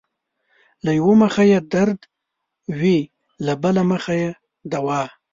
له يؤه مخه يې درد وي له بل مخه يې دوا